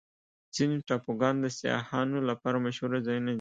ځینې ټاپوګان د سیاحانو لپاره مشهوره ځایونه دي.